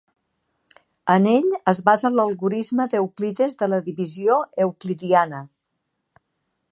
En ell es basa l'algorisme d'Euclides de la divisió euclidiana.